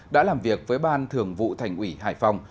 đã làm việc với ban thường vụ thành ủy hải phòng